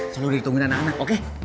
selalu ditungguin anak anak oke